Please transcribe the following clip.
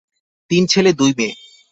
তিন ছেলে, দুই মেয়ে।